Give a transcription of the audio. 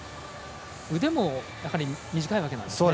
腕もやはり短いわけなんですね。